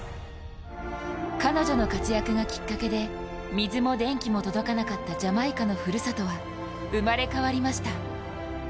彼女の活躍がきっかけで水も電気も届かなかったジャマイカのふるさとは生まれ変わりました。